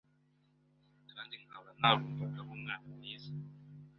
kandi nkaba narumvaga ari umwana mwiza.